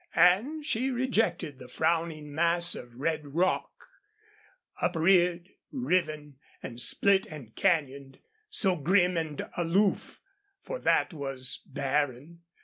And she rejected the frowning mass of red rock, upreared, riven and split and canyoned, so grim and aloof for that was barren.